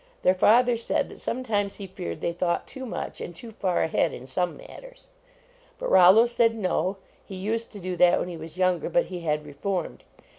Their father said that some times he feared they thought too much and too far ahead in some matters. But Rollo said no ; he used to do that when he was younger. But he had reformed.